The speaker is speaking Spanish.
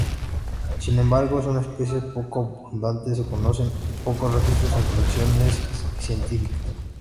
Sin embargo, es una especie poco abundante, se conocen pocos registros en colecciones científicas.